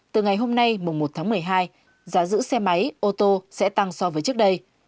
từ ngày hôm nay mùng một tháng một mươi hai giá giữ xe máy ô tô sẽ tăng so với trước đây